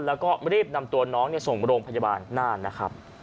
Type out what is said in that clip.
แล้วก็รีบนำตัวน้องส่งโรงพยาบาลน่านนะครับ